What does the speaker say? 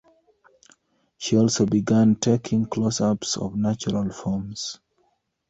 She also began taking close-ups of natural forms.